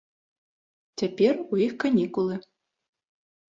Цяпер ў іх канікулы.